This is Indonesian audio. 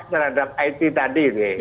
terhadap it tadi